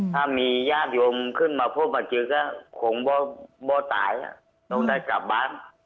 ถ้ามีญาติโยมขึ้นมาพบมาเจอก็คงบ่ตายต้องได้กลับบ้าน